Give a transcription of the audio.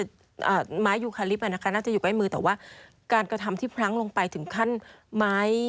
อ่าไม้ยูคาลิปอ่ะนะคะน่าจะอยู่ใกล้มือแต่ว่าการกระทำที่พลั้งลงไปถึงขั้นไม้